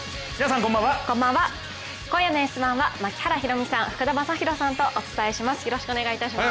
今夜の「Ｓ☆１」は槙原寛己さん、福田正博さんとお伝えします。